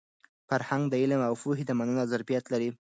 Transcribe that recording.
فرهنګ د علم او پوهې د منلو ظرفیت لري.